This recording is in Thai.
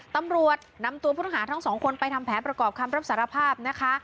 ตำรวจนำตัวผู้ต้องหาทั้งสองคนไปทำแผนประกอบคำรับสารภาพนะคะ